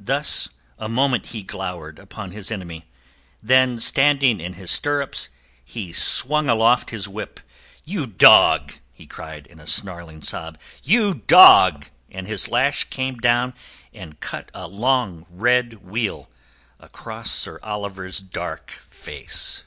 Thus a moment he glowered upon his enemy. Then standing in his stirrups he swung aloft his whip. "You dog!" he cried, in a snarling sob. "You dog!" And his lash came down and cut a long red wheal across Sir Oliver's dark face.